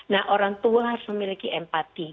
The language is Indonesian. nah orang tua harus memiliki empati